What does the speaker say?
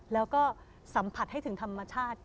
แล้วก็สัมผัสให้ถึงธรรมชาติ